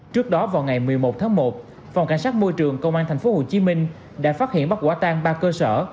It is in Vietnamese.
trước đó vào ngày một mươi một tháng một phòng cảnh sát môi trường công an tp hcm đã phát hiện bắt quả tang ba cơ sở